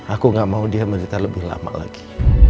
aku gak mau dia menderita lebih lama lagi